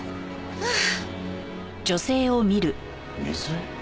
ああ。